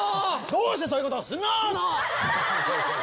どうしてそういうことするの！